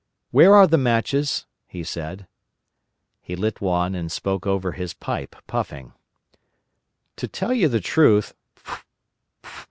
"Where are the matches?" he said. He lit one and spoke over his pipe, puffing. "To tell you the truth...